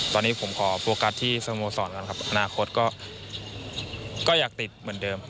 ตอนนี้ผมขอโฟกัสที่สโมสรก่อนครับอนาคตก็อยากติดเหมือนเดิม